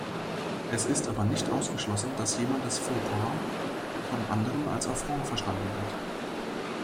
Es ist aber nicht ausgeschlossen, dass jemandes Fauxpas von anderen als Affront verstanden wird.